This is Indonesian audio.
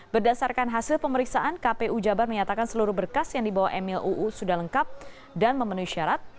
berdasarkan hasil pemeriksaan kpu jabar menyatakan seluruh berkas yang dibawa emil uu sudah lengkap dan memenuhi syarat